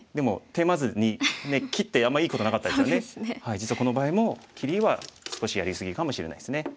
実はこの場合も切りは少しやり過ぎかもしれないですね。